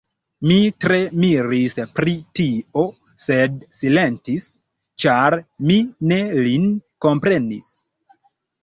Mi tre miris pri tio, sed silentis, ĉar mi ne lin komprenis.